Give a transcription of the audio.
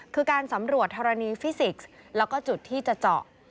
คือการสำรวจธรณีฟิสิกส์แล้วก็จุดที่จะเจาะ